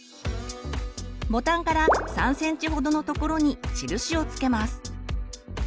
ボタンから３ｃｍほどのところに印を付けます。